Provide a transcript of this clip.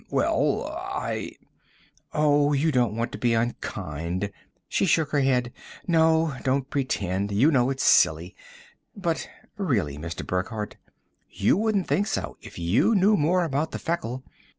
"Well, I " "Oh, you don't want to be unkind!" She shook her head. "No, don't pretend. You think it's silly. But really, Mr. Burckhardt, you wouldn't think so if you knew more about the Feckle.